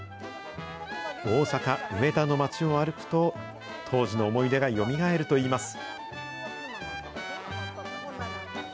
大阪・梅田の街を歩くと、当時の思い出がよみがえるといいます。